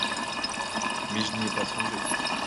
Mais je n’y ai pas songé.